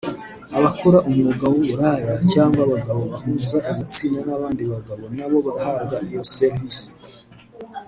abakora umwuga w’uburaya cyangwa abagabo bahuza ibitsina n’abandi bagabo nabo barahabwa iyo serivisi